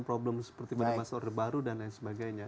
problem seperti pada masa orde baru dan lain sebagainya